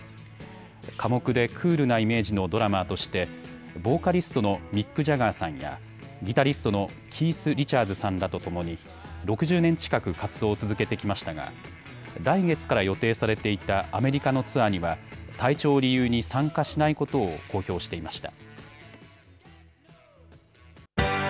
寡黙でクールなイメージのドラマーとしてボーカリストのミック・ジャガーさんやギタリストのキース・リチャーズさんらとともに６０年近く活動を続けてきましたが来月から予定されていたアメリカのツアーには体調を理由に参加しないことを公表していました。